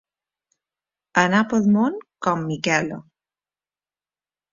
Anar pel món com Miquela.